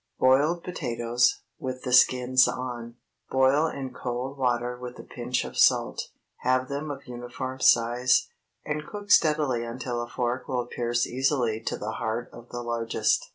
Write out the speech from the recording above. BOILED POTATOES (with the skins on.) Boil in cold water with a pinch of salt. Have them of uniform size, and cook steadily until a fork will pierce easily to the heart of the largest.